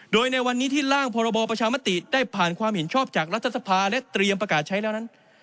โดยในวันนี้ที่ร่างพรบประชามติได้ผ่านความเห็นชอบจากรัฐสภาและเตรียมประกาศใช้แล้วนั้น